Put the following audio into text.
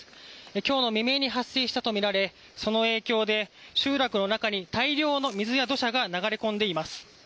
今日の未明に発生したとみられその影響で集落の中に大量の水や土砂が流れ込んでいます。